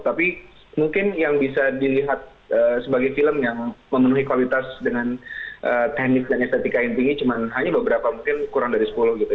tapi mungkin yang bisa dilihat sebagai film yang memenuhi kualitas dengan teknik dan estetika yang tinggi cuma hanya beberapa mungkin kurang dari sepuluh gitu